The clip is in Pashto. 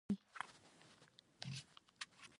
قوانین د پاچا رعیت ته خپل ځای منلو اړ کوي.